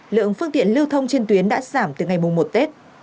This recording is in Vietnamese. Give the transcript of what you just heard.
lượng phương tiện lưu thông trên tuyến đã giảm từ ngày một tết